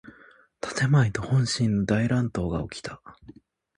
建前と本心の大乱闘がおきた。